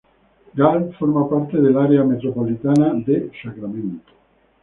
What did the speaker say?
Galt forma parte del área metropolitana de Sacramento.